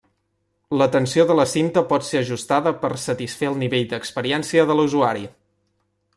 La tensió de la cinta pot ser ajustada per satisfer el nivell d'experiència de l'usuari.